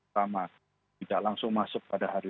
sama tidak langsung masuk pada hari